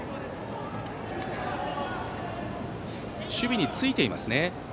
守備についていますね。